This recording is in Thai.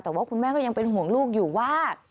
แต่ว่าคุณแม่ก็ยังเป็นห่วงลูกอยู่ว่า